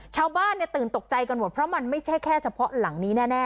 ชาวบ้านตื่นตกใจกันหมดเพราะมันไม่ใช่แค่เฉพาะหลังนี้แน่